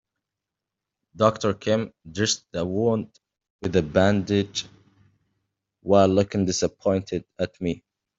Doctor Kim dressed the wound with a bandage while looking disappointed at me.